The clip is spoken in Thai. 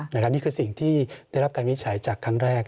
นี่คือสิ่งที่ได้รับการวินิจฉัยจากครั้งแรก